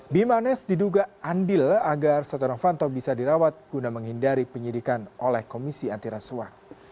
bimanes diduga andil agar setonofanto bisa dirawat guna menghindari penyidikan oleh komisi antiraswa